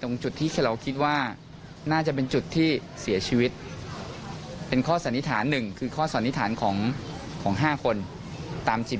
ตรงเวลา๔ทุ่ม๓๔กับ๔๐นาธีน่ะครับ